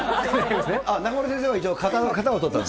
中丸先生は一応型を取ったのね。